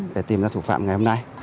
để tìm ra thủ phạm ngày hôm nay